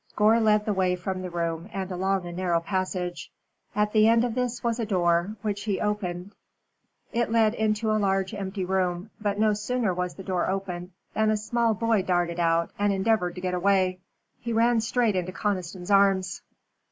Gore led the way from the room and along a narrow passage. At the end of this was a door, which he opened. It led into a large empty room, but no sooner was the door opened, than a small boy darted out and endeavored to get away. He ran straight into Conniston's arms.